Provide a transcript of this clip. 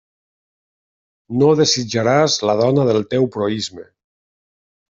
No desitjaràs la dona del teu proïsme.